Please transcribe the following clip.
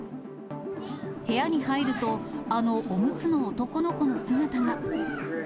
部屋に入ると、あのおむつの男の子の姿が。